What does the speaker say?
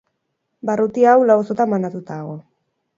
Barruti hau, lau auzotan banatua dago.